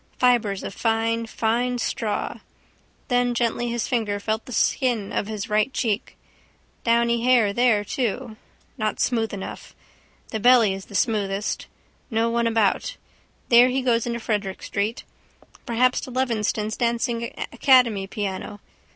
Fibres of fine fine straw. Then gently his finger felt the skin of his right cheek. Downy hair there too. Not smooth enough. The belly is the smoothest. No one about. There he goes into Frederick street. Perhaps to Levenston's dancing academy piano.